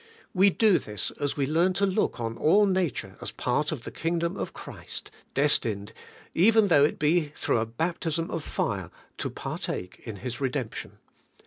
We do this as we learn to look on all nature as part of the kingdom of Christ, destined, even though it be tbrough a baptism of fire, to par take in His redemption.